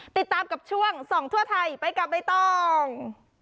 ติดตามกับช่วงส่องทั่วไทยไปกับใบตอง